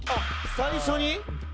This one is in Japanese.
最初に。